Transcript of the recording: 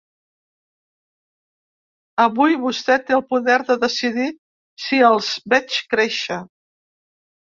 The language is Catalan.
Avui vostè té el poder de decidir si els veig créixer.